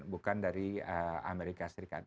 bukan dari amerika serikat